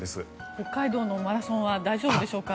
北海道のマラソンは大丈夫でしょうか。